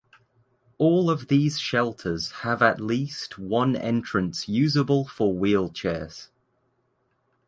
All of these shelters have at least one entrance usable for wheelchairs.